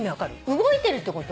動いてるってこと？